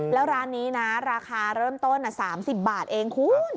แล้วร้านนี้นะราคาเริ่มต้น๓๐บาทเองคุณ